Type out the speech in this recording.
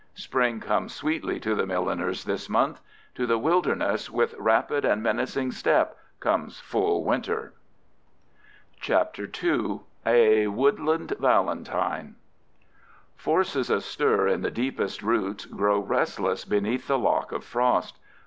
Spring comes sweetly to the milliners' this month. To the wilderness with rapid and menacing step comes full winter. CHAPTER II. A WOODLAND VALENTINE Forces astir in the deepest roots grow restless beneath the lock of frost.